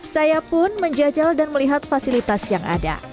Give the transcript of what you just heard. saya pun menjajal dan melihat fasilitas yang ada